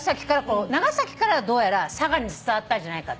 長崎からどうやら佐賀に伝わったんじゃないか。